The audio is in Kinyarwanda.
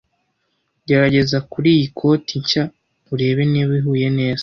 Gerageza kuriyi koti nshya urebe niba ihuye neza.